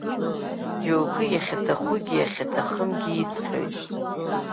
Џьоукы иахьаҭахугьы иахьаҭахымгьы иҵҟьоит.